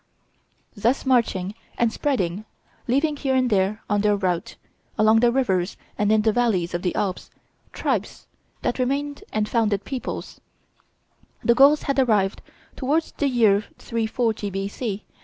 Thus marching and spreading, leaving here and there on their route, along the rivers and in the valleys of the Alps, tribes that remained and founded peoples, the Gauls had arrived, towards the year 340 B.C.